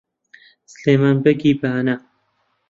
سلێمان بەگی بانە